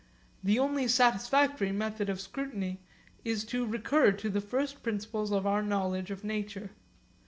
The only satisfactory method of scrutiny is to recur to the first principles of our knowledge of nature.